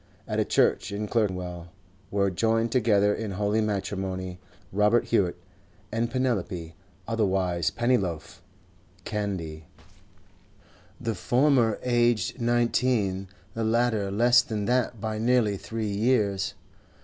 At a church in Clerkenwell were joined together in holy matrimony Robert Hewett and Penelope (otherwise Pennyloaf) Candy, the former aged nineteen, the latter less than that by nearly three years.